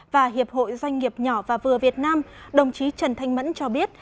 và hiệp hội doanh nghiệp nhỏ và vừa việt nam đồng chí trần thanh mẫn cho biết